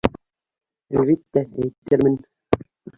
Әлбиттә, әйтермен.